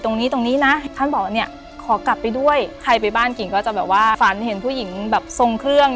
เทาะความเชื่อเรื่อง